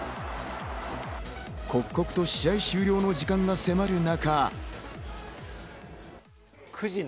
刻々と試合終了の時間が迫る中。